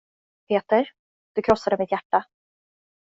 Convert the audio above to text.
Peter, du krossade mitt hjärta.